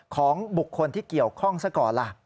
ของบุคคลที่เกี่ยวข้องซะก่อนล่ะ